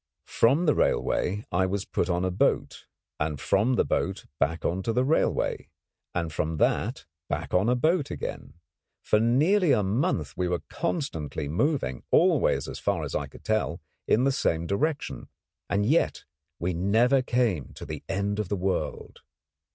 From the railway I was put on a boat, and from the boat back on the railway, and from that back on a boat again. For nearly a month we were constantly moving, always as far as I could tell, in the same direction; and yet we never came to the end of the world.